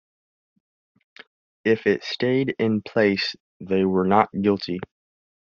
If it stayed in place they were not guilty.